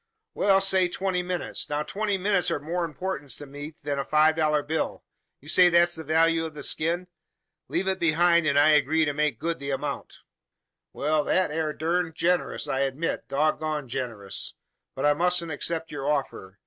"Well, say twenty minutes. Now, twenty minutes are of more importance to me than a five dollar bill. You say that's the value of the skin? Leave it behind; and I agree to make good the amount." "Wal that air durned gin'rous, I admit dog goned gin'rous. But I mussent except yur offer.